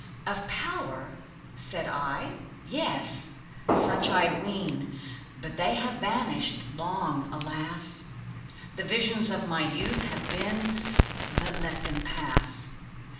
Of power! said I? Yes! such I ween But they have vanished long, alas! The visions of my youth have been But let them pass.